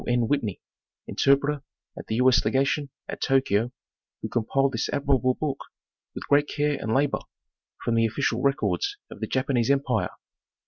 N. Whitney, interpreter at the U. 8. Legation at Tokyo, who com piled this admirable book with great care and labor from the official records of the Japanese empire.